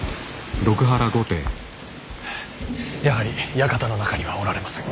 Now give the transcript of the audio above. やはり館の中にはおられません。